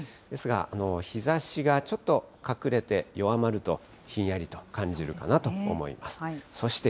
ですが、日ざしがちょっと隠れて弱まると、ひんやりと感じるかなと思います。